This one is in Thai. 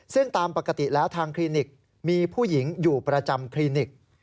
ซึ่งตามปกติแล้วทางคลินิกมีผู้หญิงอยู่ประจำคลินิก